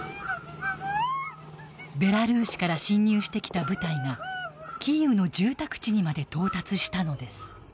ベラルーシから侵入してきた部隊がキーウの住宅地にまで到達したのです。